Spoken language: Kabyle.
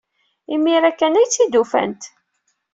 Imir-a kan ay t-id-ufant.